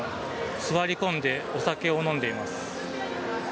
座り込んでお酒を飲んでいます。